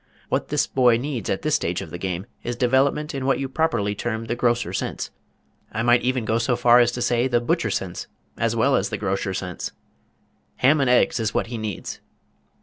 What this boy needs at this stage of the game is development in what you properly term the grosser sense, I might even go so far as to say the butcher sense as well as the grocer sense. Ham and eggs is what he needs."